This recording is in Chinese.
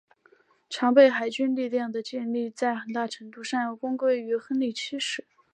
常备海军力量的建立在很大程度上要归功于亨利七世。